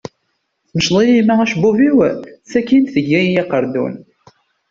Temceḍ-iyi yemma acebbub-iw, sakin tegga-iyi aqardun.